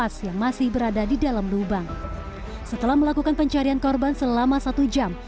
kita khawatir kalau misalkan ada gas metan segala macam